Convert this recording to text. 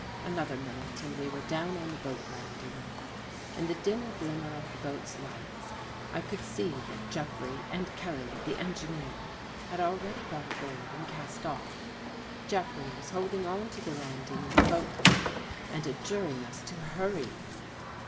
Another minute and we were down on the boat landing. In the dim glimmer of the boat's lights, I could see that Jeffrey and Kelly, the engineer, had already got aboard and cast off. Jeffrey was holding on to the landing with a boat hook and adjuring us to hurry.